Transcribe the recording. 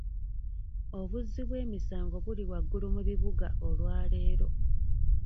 Obuzzi bw'emisango buli waggulu mu bibuga olwaleero.